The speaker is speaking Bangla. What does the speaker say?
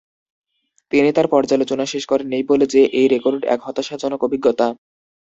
তিনি তার পর্যালোচনা শেষ করেন এই বলে যে, এই রেকর্ড এক হতাশাজনক অভিজ্ঞতা।